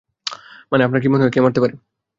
মানে, আপনার কি মনে হয়, কে মারতে পারে?